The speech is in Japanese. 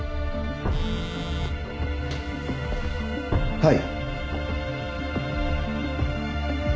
はい。